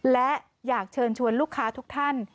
และอยากเชิญชวนลูกค้าทุกท่าน